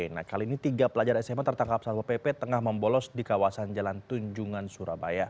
nah kali ini tiga pelajar sma tertangkap satwa pp tengah membolos di kawasan jalan tunjungan surabaya